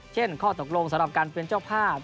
เช่นข้อตกลงสำหรับการเปลี่ยนเจ้าภาพ